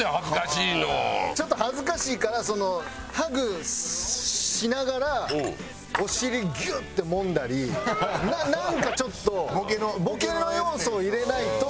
ちょっと恥ずかしいからハグしながらお尻ギュッて揉んだりなんかちょっとボケの要素を入れないとできなくて。